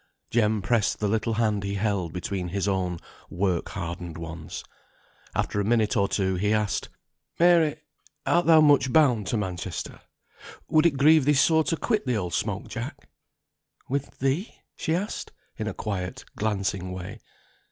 Jem pressed the little hand he held between his own work hardened ones. After a minute or two, he asked, "Mary, art thou much bound to Manchester? Would it grieve thee sore to quit the old smoke jack?" "With thee?" she asked, in a quiet, glancing way.